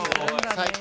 最高！